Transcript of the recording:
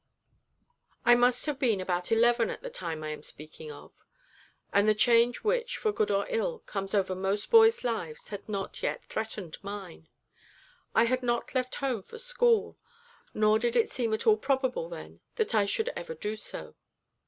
I must have been about eleven at the time I am speaking of, and the change which for good or ill comes over most boys' lives had not yet threatened mine. I had not left home for school, nor did it seem at all probable then that I should ever do so.